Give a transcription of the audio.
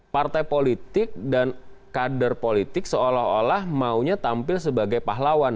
partai politik dan kader politik seolah olah maunya tampil sebagai pahlawan